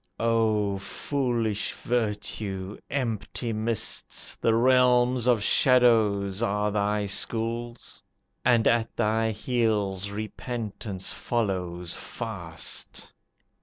"O foolish virtue, empty mists, The realms of shadows, are thy schools, And at thy heels repentance follows fast.